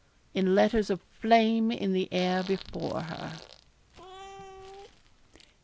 in letters of flame in the air before her.